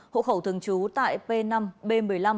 hộ khẩu thường trú tại p năm b một mươi năm